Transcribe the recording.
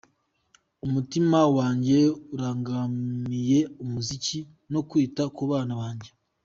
Umutima wanjye urangamiye umuziki no kwita ku bana banjye.